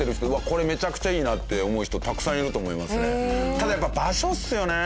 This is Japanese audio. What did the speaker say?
これめちゃくちゃいいなって思う人たくさんいると思いますね。